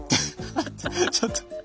ちょっと。